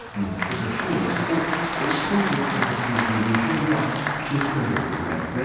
きょうは、そこを押し込んでいったときの土俵際気をつけなくてはいけませんね。